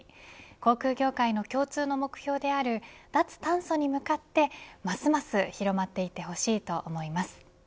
航空業界の共通の目標である脱炭素に向かってますます広まっていってほしいと思います。